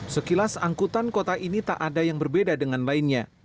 sekilas angkutan kota ini tak ada yang berbeda dengan lainnya